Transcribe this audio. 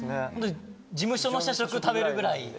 事務所の社食食べるぐらいで。